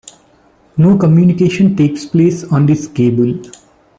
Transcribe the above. No communication takes place on this cable.